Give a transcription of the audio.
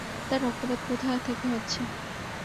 তার রক্তপাত কোথা থেকে হচ্ছে?